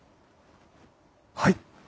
はい！